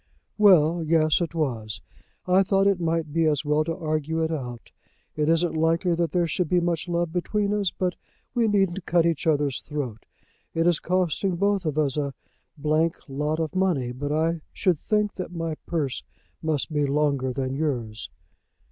"Well; yes it was. I thought it might be as well to argue it out. It isn't likely that there should be much love between us, but we needn't cut each other's throats. It is costing us both a d d lot of money; but I should think that my purse must be longer than yours."